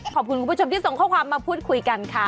ขอบคุณคุณผู้ชมที่ส่งข้อความมาพูดคุยกันค่ะ